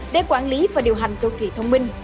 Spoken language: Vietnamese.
để quản lý và điều hành công ty thông minh